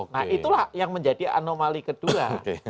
nah itulah yang menjadi anomali kedua